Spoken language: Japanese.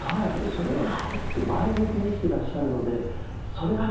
で前向きに生きてらっしゃるのでそれがね